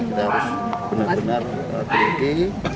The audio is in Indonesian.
kita harus benar benar teliti